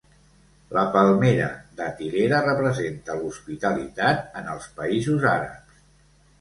La palmera datilera representa l'hospitalitat en els països àrabs.